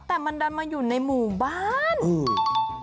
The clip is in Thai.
แต่มันดันมาอยู่ในหมู่บ้านอืม